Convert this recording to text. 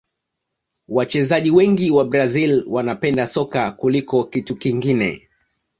wachezaji wengi wa brazil wanapenda soka kuliko kitu kingine